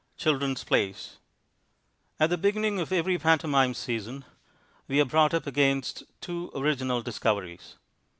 Children's Plays At the beginning of every pantomime season, we are brought up against two original discoveries.